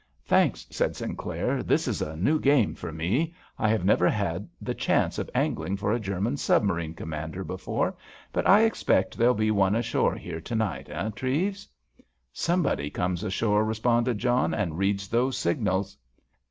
"Thanks," said Sinclair. "This is a new game for me. I have never had the chance of angling for a German submarine commander before, but I expect there'll be one ashore here to night, eh, Treves?" "Somebody comes ashore," responded John, "and reads those signals."